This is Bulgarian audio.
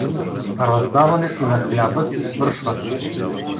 Раздаването на хляба се свършва.